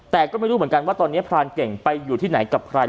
แต่ก็ไม่รู้เหมือนกันว่าตอนนี้พรานเก่งไปอยู่ที่ไหนกับใคร